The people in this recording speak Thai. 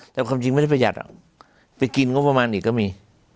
แต่ความจริงไม่ได้ประหยัดไปกินงบประมาณอีกก็มี